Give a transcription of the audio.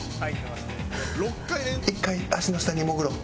１回足の下に潜ろう。